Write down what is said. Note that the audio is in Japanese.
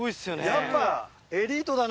やっぱエリートだな。